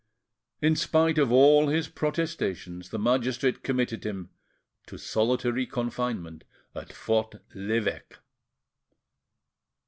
In spite of all his protestations, the magistrate committed him to solitary confinement at Fort l'Eveque.